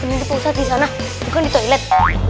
ini tuh pak ustadz di sana bukan di toilet